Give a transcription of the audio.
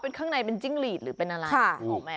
เป็นข้างในเป็นจิ้งหลีดหรือเป็นอะไรนึกออกไหม